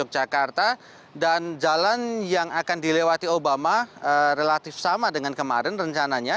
jakarta dan jalan yang akan dilewati obama relatif sama dengan kemarin rencananya